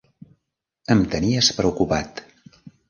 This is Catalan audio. Em tenies preocupat.